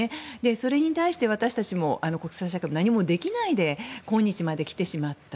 それに対して、私たちも国際社会も何もできないで今日まで来てしまった。